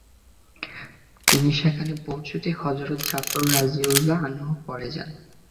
তিনি সেখানে পৌঁছতেই হযরত জাফর রাযিয়াল্লাহু আনহু পড়ে যান।